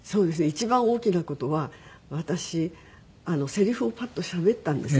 一番大きな事は私せりふをパッとしゃべったんですね。